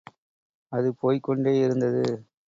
அது போய்க்கொண்டே இருந்தது.